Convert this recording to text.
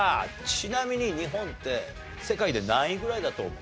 ちなみに日本って世界で何位ぐらいだと思う？